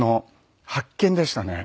発見でしたね。